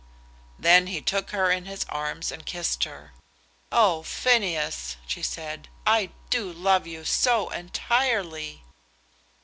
Then he took her in his arms and kissed her. "Oh, Phineas!" she said, "I do love you so entirely!"